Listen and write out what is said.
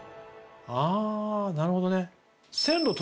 ああなるほどね。